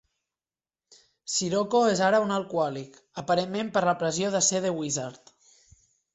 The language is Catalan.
Cirocco és ara un alcohòlic, aparentment per la pressió de ser "The Wizard".